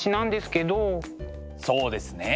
そうですね。